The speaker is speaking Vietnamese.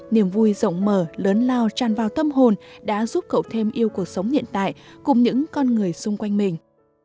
niềm vui rộng mở lớn lao tràn vào tâm hồn đã giúp cậu thêm yêu cuộc sống hiện tại cùng những con người xung quanh mình